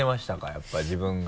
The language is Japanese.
やっぱ自分が。